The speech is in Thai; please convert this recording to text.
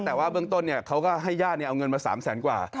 แต่ว่าเบื้องต้นเขาก็ให้ญาติเอาเงินมา๓แสนกว่า